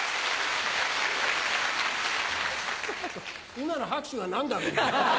今の拍手は何だろうね？